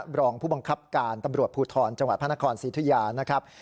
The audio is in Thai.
รองผู้บังคับการตำรวจภูทรจังหวัดพระนครศรีธุยานะครับ